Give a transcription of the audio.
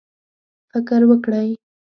فکر وکړئ